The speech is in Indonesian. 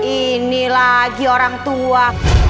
ini lagi orang tua